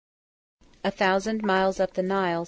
A Thousand Miles Up The Nile.